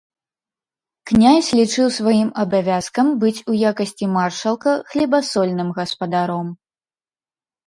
Князь лічыў сваім абавязкам быць у якасці маршалка хлебасольным гаспадаром.